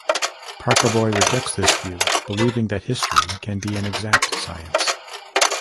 Parkaboy rejects this view, believing that history can be an exact science.